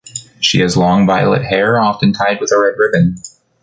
She has long, violet hair, often tied with a red ribbon.